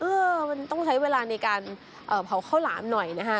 เออมันต้องใช้เวลาในการเผาข้าวหลามหน่อยนะฮะ